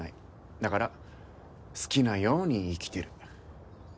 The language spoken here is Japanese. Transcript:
だから好きなように生きてる。